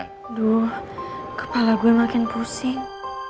aduh kepala gue makin pusing